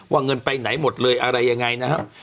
เงินไปไหนหมดเลยอะไรยังไงนะครับ